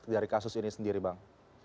dari kasus ini sendiri bang